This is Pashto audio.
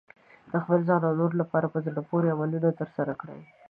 د خپل ځان او نورو لپاره په زړه پورې عملونه ترسره کړئ.